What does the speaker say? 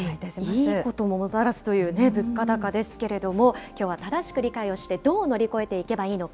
いいことももたらすという物価高ですけれども、きょうは正しく理解をして、どう乗り越えていけばいいのか。